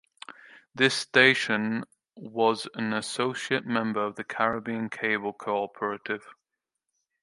The station was an associate member of the Caribbean Cable Cooperative.